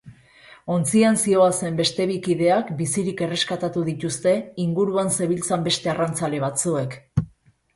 Ontzian zihoazen beste bi kideak bizirik erreskatatu dituzte inguruan zebiltzan beste arrantzale batzuek.